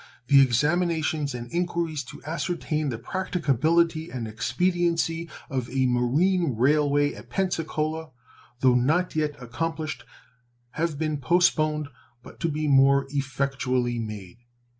The examinations and inquiries to ascertain the practicability and expediency of a marine railway at Pensacola, though not yet accomplished, have been postponed but to be more effectually made.